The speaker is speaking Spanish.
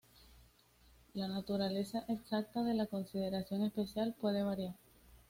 La naturaleza exacta de la "consideración especial" puede variar.